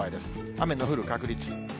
雨の降る確率。